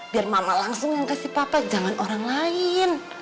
biar mama langsung yang kasih papa jangan orang lain